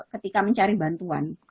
ketika mencari bantuan